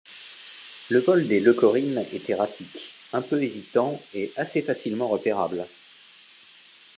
Le vol des leucorrhines est erratique, un peu hésitant et assez facilement repérable.